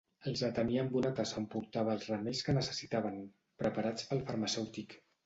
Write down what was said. Els atenia amb una tassa on portava els remeis que necessitaven, preparats pel farmacèutic.